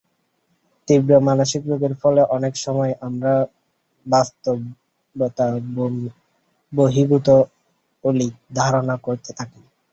তীব্র মানসিক রোগের ফলে অনেক সময় আমরা বাস্তবতাবহির্ভূত অলীক ধারণা করতে থাকি।